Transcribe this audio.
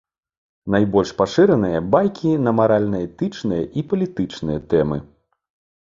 Найбольш пашыраныя байкі на маральна-этычныя і палітычныя тэмы.